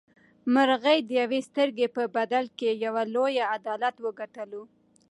مرغۍ د یوې سترګې په بدل کې یو لوی عدالت وګټلو.